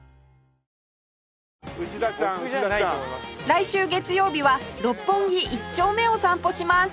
来週月曜日は六本木一丁目を散歩します